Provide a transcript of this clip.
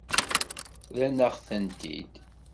Rran-aɣ-tent-id.